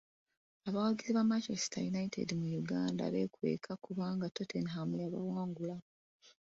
Abawagiza ba Manchester United mu Uganda beekweka kubanga Tottenham yabawangula.